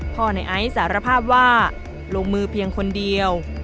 ในไอซ์สารภาพว่าลงมือเพียงคนเดียว